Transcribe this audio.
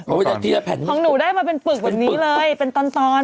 ทีละแผ่นของหนูได้มาเป็นปึกแบบนี้เลยเป็นตอนตอน